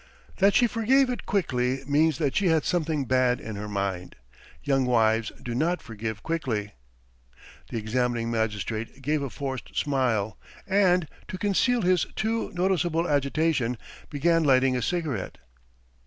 "That she forgave it quickly means that she had something bad in her mind. Young wives do not forgive quickly." The examining magistrate gave a forced smile, and, to conceal his too noticeable agitation, began lighting a cigarette.